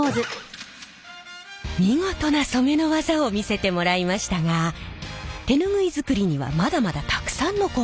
見事な染めの技を見せてもらいましたが手ぬぐい作りにはまだまだたくさんの工程があります。